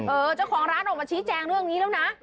เจ้าของร้านออกมาชี้แจงเรื่องนี้แล้วนะ